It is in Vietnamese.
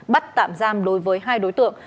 bắt tạm giam đối với hai đối tượng